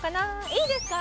いいですか？